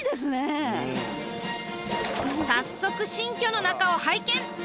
早速新居の中を拝見！